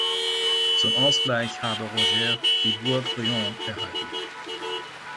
Zum Ausgleich habe Roger die Burg Brionne erhalten.